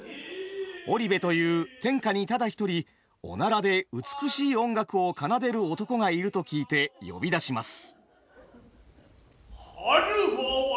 織部という天下にただ一人おならで美しい音楽を奏でる男がいると聞いて呼び出します。